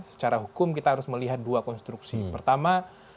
secara hukum kita harus melihat dua konstruksi pertama